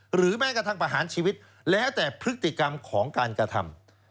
หรือแม้กระทั่งประหารชีวิตแล้วแต่พฤติกรรมของการกระทำ